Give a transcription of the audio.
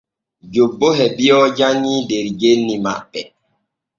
Jobbo e biyo janŋi der genni maɓɓe.